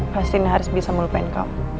pastiin haris bisa melupain kamu